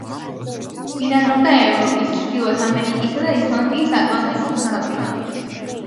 ბინადრობდა ევროპის, ჩრდილოეთ ამერიკისა და ისლანდიის ატლანტიკურ სანაპიროებზე.